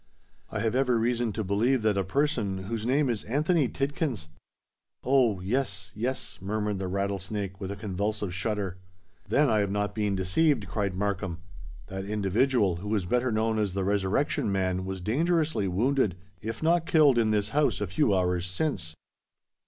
"I have every reason to believe that a person whose name is Anthony Tidkins——" "Oh! yes—yes," murmured the Rattlesnake, with a convulsive shudder. "Then I have not been deceived!" cried Markham. "That individual, who is better known as the Resurrection Man, was dangerously wounded—if not killed—in this house a few hours since.